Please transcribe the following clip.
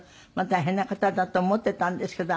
大変な方だと思っていたんですけど。